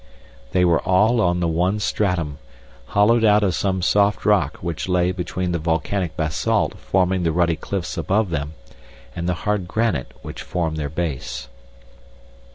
They were all on the one stratum, hollowed out of some soft rock which lay between the volcanic basalt forming the ruddy cliffs above them, and the hard granite which formed their base.